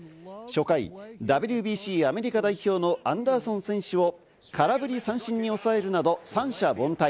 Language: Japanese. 初回、ＷＢＣアメリカ代表のアンダーソン選手を空振り三振に抑えるなど三者凡退。